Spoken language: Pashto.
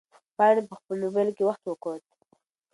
پاڼې په خپل موبایل کې وخت وکوت.